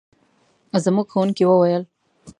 زموږ ښوونکي وویل.